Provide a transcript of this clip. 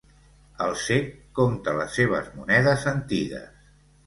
El cec compta les seves monedes antigues.